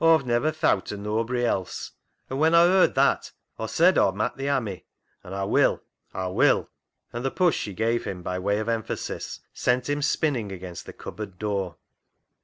Aw've never thowt o' noabry else, an' when Aw yerd that Aw said Aw'd mak' thi ha' me. An' Aw will ! Aw will !" And the push she gave him by way of emphasis sent him spinning against the cupboard door.